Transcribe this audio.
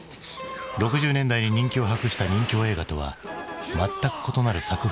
６０年代に人気を博した任侠映画とは全く異なる作風のものだった。